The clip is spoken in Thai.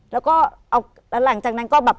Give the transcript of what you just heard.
แล้วก็เอาแล้วหลังจากนั้นก็แบบ